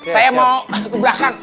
saya mau ke belakang